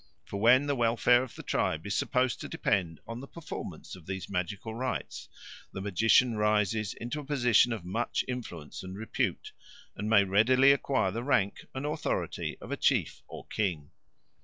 For when the welfare of the tribe is supposed to depend on the performance of these magical rites, the magician rises into a position of much influence and repute, and may readily acquire the rank and authority of a chief or king.